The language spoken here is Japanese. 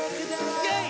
イェイ！